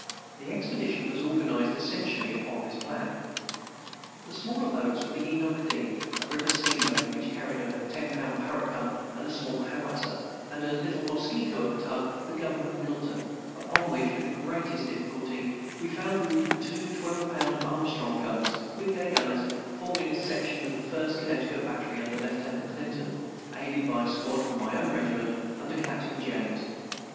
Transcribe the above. The expedition was organized essentially upon this plan. The smaller boats were the Enoch Dean, a river steamboat, which carried a ten pound Parrott gun, and a small howitzer, and a little mosquito of a tug, the Governor Milton, upon which, with the greatest difficulty, we found room for two twelve pound Armstrong guns, with their gunners, forming a section of the First Connecticut Battery, under Lieutenant Clinton, aided by a squad from my own regiment, under Captain James.